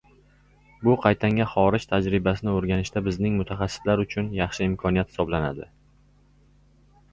Bu qaytanga xorij tajribasini o‘rganishda bizning mutaxassislar uchun yaxshi imkoniyat hisoblanadi.